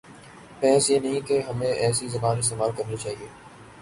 بحث یہ نہیں کہ ہمیں ایسی زبان استعمال کرنی چاہیے۔